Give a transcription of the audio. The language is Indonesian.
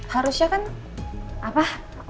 harusnya kan apa